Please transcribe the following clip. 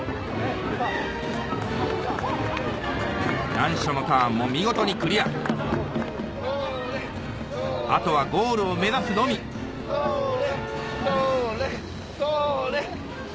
難所のターンも見事にクリアあとはゴールを目指すのみそれそれそれ！